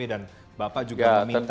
dan bapak juga meminta restui